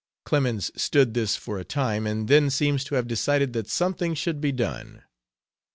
Clemens stood this for a time and then seems to have decided that something should be done.